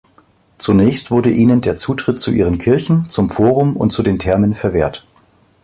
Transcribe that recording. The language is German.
Zunächst wurde ihnen der Zutritt zu ihren Kirchen, zum Forum und den Thermen verwehrt.